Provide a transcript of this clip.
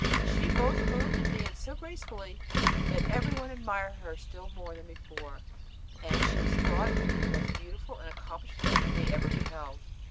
She both moved and danced so gracefully, that every one admired her still more than before, and she was thought the most beautiful and accomplished lady they ever beheld.